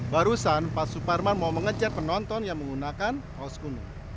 barusan pak suparman mau mengejar penonton yang menggunakan kaos kuning